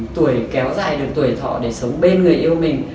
tuổi kéo dài được tuổi thọ để sống bên người yêu mình